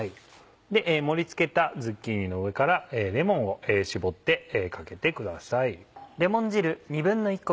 盛り付けたズッキーニの上からレモンを搾ってかけてください。